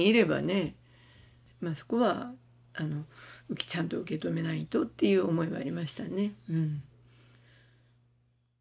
そこはちゃんと受け止めないとっていう思いはありましたねうん。